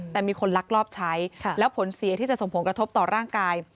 แต่มีคนลักลอบใช้แล้วผลเสียที่จะส่งผลกระทบต่อร่างกาย